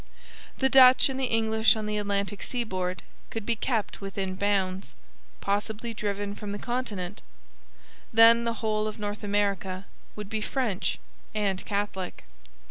The Dutch and the English on the Atlantic seaboard could be kept within bounds; possibly driven from the continent; then the whole of North America would be French and Catholic.